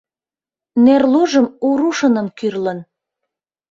Нерлужым у рушыным кӱрлын